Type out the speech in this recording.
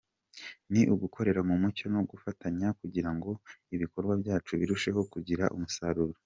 Ni ugukorera mu mucyo no gufatanya kugira ngo ibikorwa byacu birusheho kugira umusaruro.